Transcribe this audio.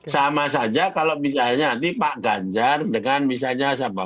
sama saja kalau misalnya nanti pak ganjar dengan misalnya siapa